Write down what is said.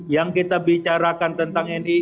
yang kita bicarakan tentang nii